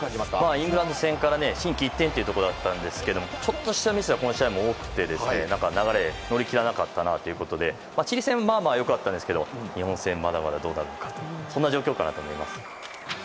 イングランド戦から心機一転というところだったんですがちょっとしたミスがこの試合も多くて流れに乗りきらなくてチリ戦はまあ良かったんですが日本戦、まだまだどうかなという状況だと思います。